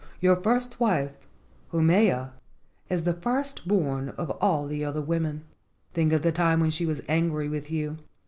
Your first wife, Haumea, is the first born of all the other women. Think of the time when she was angry with you.